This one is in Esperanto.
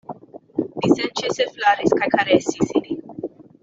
Li senĉese flaris kaj karesis ilin.